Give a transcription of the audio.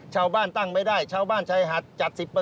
ชาวบ้านตั้งไม่ได้ชาวบ้านชายหัดจัด๑๐